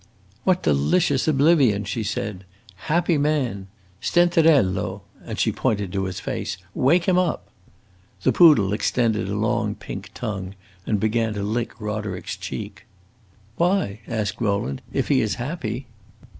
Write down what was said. "What delicious oblivion!" she said. "Happy man! Stenterello" and she pointed to his face "wake him up!" The poodle extended a long pink tongue and began to lick Roderick's cheek. "Why," asked Rowland, "if he is happy?"